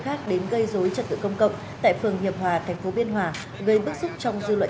khác đến gây dối trật tự công cộng tại phường hiệp hòa thành phố biên hòa gây bức xúc trong dư luận